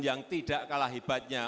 yang tidak kalah hebatnya